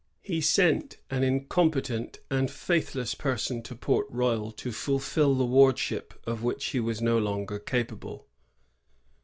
He sent an incompetent and faithless person to Port Royal to fulfil the wardship of which he was no longer capable.